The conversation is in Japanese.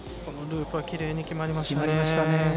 このループはきれいに決まりましたね